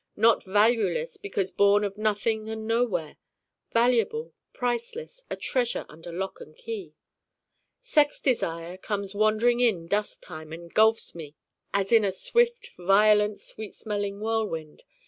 not valueless because born of nothing and nowhere: valuable, priceless, a treasure under lock and key. Sex desire comes wandering in dusk time and gulfs me as in a swift violent sweet smelling whirlwind.